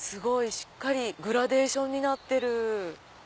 しっかりグラデーションになってる。